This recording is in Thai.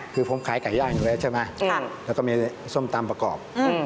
คือผมขายไก่ย่างอยู่แล้วใช่ไหมแล้วก็มีส้มตำประกอบ